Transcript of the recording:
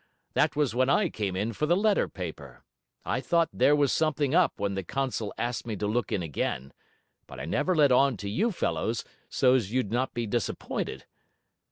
That was when I came in for the letter paper; I thought there was something up when the consul asked me to look in again; but I never let on to you fellows, so's you'd not be disappointed.